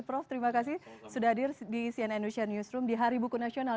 prof terima kasih sudah hadir di cnn indonesia newsroom di hari buku nasional